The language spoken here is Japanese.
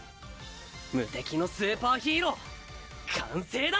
無敵のスーパーヒーロー完成だ！